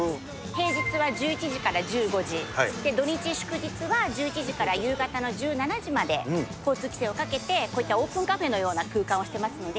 平日は１１時から１５時、土日祝日は１１時から夕方の１７時まで、交通規制をかけて、こういったオープンカフェのような空間をしてますので。